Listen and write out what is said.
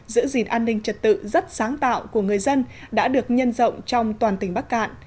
giữ gìn an ninh trật tự rất sáng tạo của người dân đã được nhân rộng trong toàn tỉnh bắc cạn